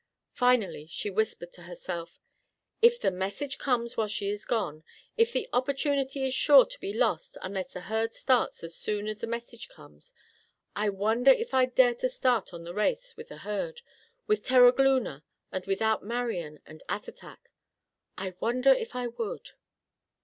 Finally she whispered to herself: "If the message comes while she is gone; if the opportunity is sure to be lost unless the herd starts as soon as the message comes, I wonder if I'd dare to start on the race with the herd, with Terogloona and without Marian and Attatak. I wonder if I would?"